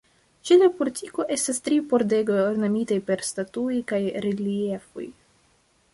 Ĉe la portiko estas tri pordegoj ornamitaj per statuoj kaj reliefoj.